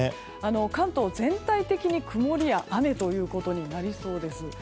関東、全体的に曇りや雨ということになりそうです。